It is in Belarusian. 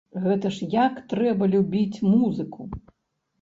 Гэта ж як трэба любіць музыку!